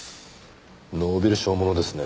ノーベル賞ものですね。